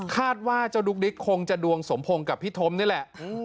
ว่าเจ้าดุ๊กดิ๊กคงจะดวงสมพงษ์กับพี่ทมนี่แหละ